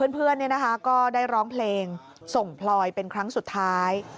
เพื่อนก็ได้ร้องเพลงส่งพลอยเป็นครั้งสุดท้าย